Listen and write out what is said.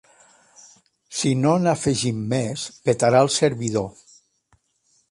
Si no n'afegim més, petarà el servidor.